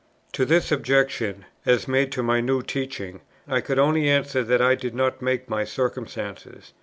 To this objection, as made to my new teaching, I could only answer that I did not make my circumstances.